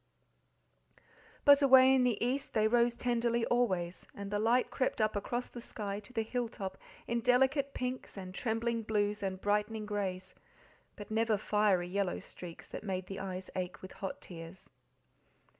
But away in the east they rose tenderly always, and the light crept up across the sky to the hill top in delicate pinks and trembling blues and brightening greys, but never fiery, yellow streaks, that made the eyes ache with hot tears.